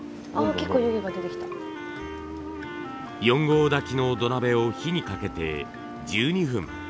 ４合炊きの土鍋を火にかけて１２分。